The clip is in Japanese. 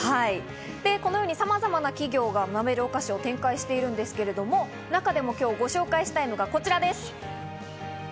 さまざまな企業がまなべるお菓子を展開しているんですが、中でも今日ご紹介したいのがこちらです。